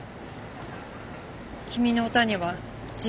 君の歌には自分がない。